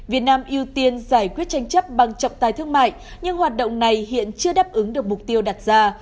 việt nam ưu tiên giải quyết tranh chấp bằng trọng tài thương mại nhưng hoạt động này hiện chưa đáp ứng được mục tiêu đặt ra